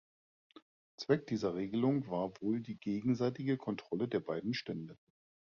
Zweck dieser Regelung war wohl die gegenseitige Kontrolle der beiden Stände.